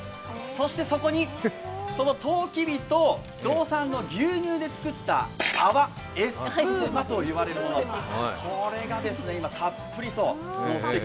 そして、そこに、そのとうきびと道産の牛乳で作った泡、エスプーマと言われるもの、これが今、たっぷりとのっている。